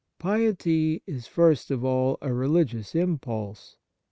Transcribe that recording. Piety is, first of all, a religious impulse.